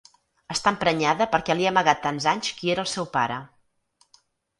Està emprenyada perquè li ha amagat tants anys qui era el seu pare.